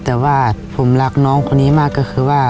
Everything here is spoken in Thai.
แต่ว่าผมรักน้องคนนี้มากก็คือว่า